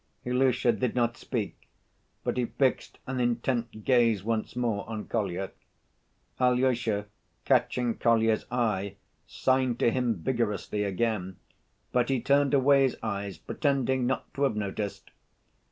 Ilusha did not speak, but he fixed an intent gaze once more on Kolya. Alyosha, catching Kolya's eye, signed to him vigorously again, but he turned away his eyes pretending not to have noticed.